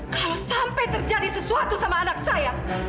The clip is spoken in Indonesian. kalau sampai terjadi sesuatu sama anak saya